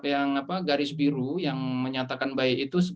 yang garis biru yang menyatakan baik itu